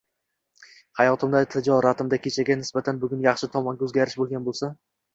— xayotimda, tijoratimda kechaga nisbatan bugun yaxshi tomonga o'zgarish bo'lgan bo'lsa